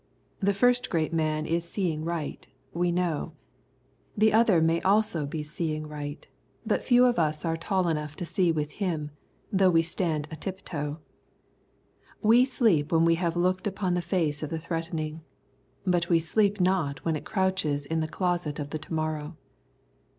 The first great man is seeing right, we know. The other may be also seeing right, but few of us are tall enough to see with him, though we stand a tiptoe. We sleep when we have looked upon the face of the threatening, but we sleep not when it crouches in the closet of the to morrow.